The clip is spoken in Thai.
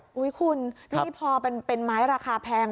ขอบคุณที่นี่พอเป็นไม้ราคาแพง